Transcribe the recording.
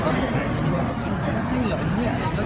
น้องทำการเล่ร้อยกว่าเลย